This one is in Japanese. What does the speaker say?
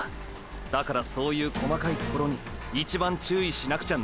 だからそういう細かいところに一番注意しなくちゃならないんだ。